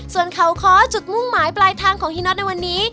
ส่วนเขาค้อจุดมุ่งหมายปลายทางของฮีน็อตในวันนี้